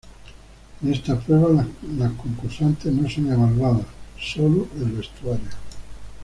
En esta prueba las concursantes no son evaluadas, solo el vestuario.